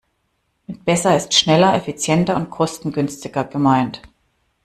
Mit besser ist schneller, effizienter und kostengünstiger gemeint.